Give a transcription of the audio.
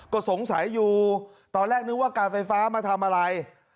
ก็สงสัยอยู่ตอนแรกนึกว่าการไฟฟ้ามาทำอะไร